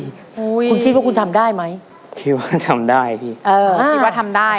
คุณคิดว่าคุณทำได้ไหมคิดว่าทำได้พี่เออคิดว่าทำได้